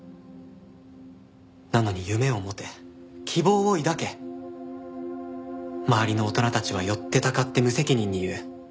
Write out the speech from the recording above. なのに夢を持て希望を抱け周りの大人たちは寄ってたかって無責任に言う。